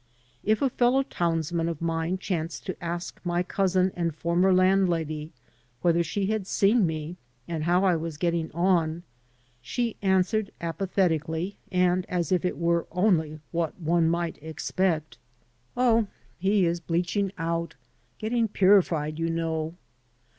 If a fellow townsman of mine chanced to ask my cousin and former landlady whether she had seen me and how I was getting on, she answered apathetically and as if it were only what one might expect, "Oh, he 112 PURIFICATIONS is bleaching out — getting purified, you know."